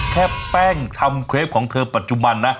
แค่แป้งทำเครปของเธอปัจจุบันนะ